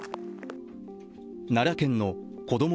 奈良県のこども